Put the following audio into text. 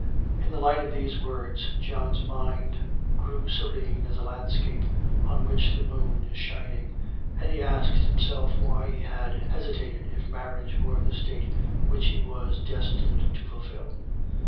In the light of these words John's mind grew serene as a landscape on which the moon is shining; and he asked himself why he had hesitated if marriage were the state which he was destined to fulfil?